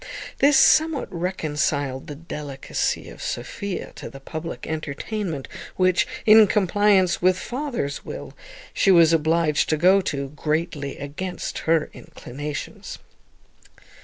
This somewhat reconciled the delicacy of Sophia to the public entertainment which, in compliance with her father's will, she was obliged to go to, greatly against her own inclinations.